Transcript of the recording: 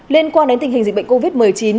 liên quan đến tình hình dịch bệnh covid một mươi chín